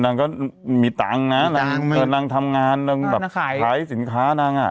นางก็มีตังค์นะนางทำงานนางแบบขายสินค้านางอ่ะ